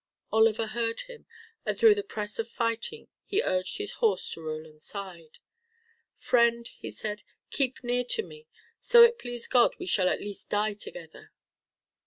Oliver heard him and through the press of fighting he urged his horse to Roland's side. "Friend," he said, "keep near to me. So it please God we shall at least die together."